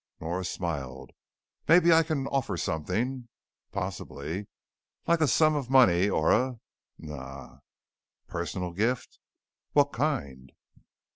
Nora smiled. "Maybe I can offer something " "Possibly." "Like a sum of money or a " "Nah!" "Personal gift " "What kind?"